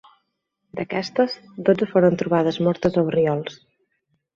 D'aquestes, dotze foren trobades mortes a Orriols.